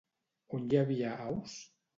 On hi havia aus?